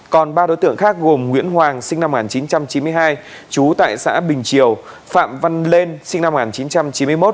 còn ba đối tượng khác gồm nguyễn hoàng sinh năm một nghìn chín trăm chín mươi hai trú tại xã bình triều phạm văn lên sinh năm một nghìn chín trăm chín mươi một